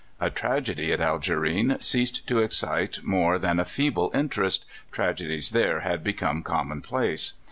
A tragedy at Algerine ceased to excite more than a feeble interest — tragedies there had become com monplace.